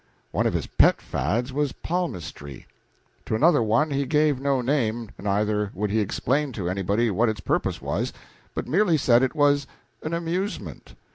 One of his pet fads was palmistry. To another one he gave no name, neither would he explain to anybody what its purpose was, but merely said it was an amusement.